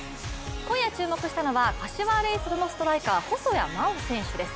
今夜注目したのは柏レイソルのストライカー細谷真大選手です。